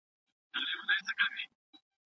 کوم تمرینونه د غوسې د کمولو لپاره اړین دي؟